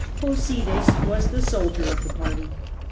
Posides was the soldier of the party.